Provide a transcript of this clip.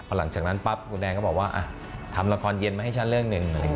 หลังจากนั้นปั๊บคุณแดงก็บอกว่าทำละครเย็นมาให้ฉันเรื่องหนึ่ง